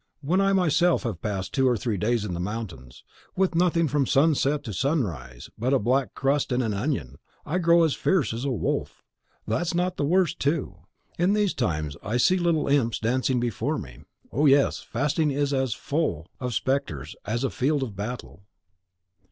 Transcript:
when I myself have passed two or three days in the mountains, with nothing from sunset to sunrise but a black crust and an onion, I grow as fierce as a wolf. That's not the worst, too. In these times I see little imps dancing before me. Oh, yes; fasting is as full of spectres as a field of battle."